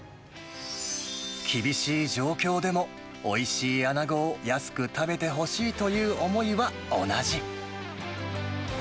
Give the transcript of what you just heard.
厳しい状況でも、おいしいアナゴを安く食べてほしいという思いは同じ。